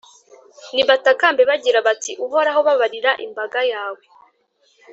nibatakambe bagira bati «Uhoraho, babarira imbaga yawe;